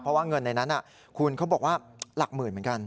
เพราะว่าเงินในนั้นคุณเขาบอกว่าหลักหมื่นเหมือนกัน